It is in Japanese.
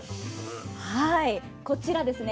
はいこちらですね